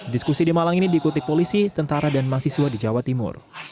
diskusi di malang ini diikuti polisi tentara dan mahasiswa di jawa timur